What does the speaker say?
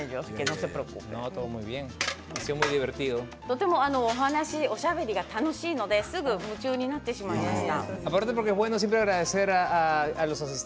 とてもお話、おしゃべりが楽しいので夢中になってしまいました。